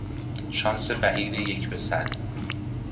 شانس بعید یک به صد